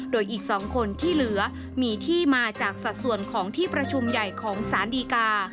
โดยอีก๒คนที่เหลือมีที่มาจากสัดส่วนของที่ประชุมใหญ่ของสารดีกา